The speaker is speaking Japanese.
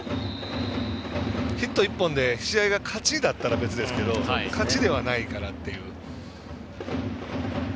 ヒット１本で試合が勝ちだったら別ですけれども勝ちではないからって。